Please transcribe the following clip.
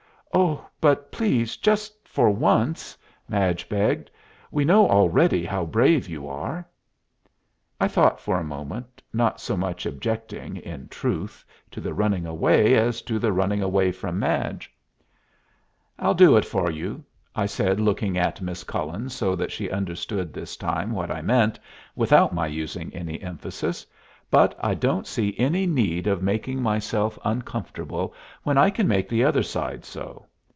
"Oh, but please, just for once," Madge begged. "We know already how brave you are." I thought for a moment, not so much objecting, in truth, to the running away as to the running away from Madge. "I'd do it for you," I said, looking at Miss Cullen so that she understood this time what I meant, without my using any emphasis, "but I don't see any need of making myself uncomfortable, when I can make the other side so.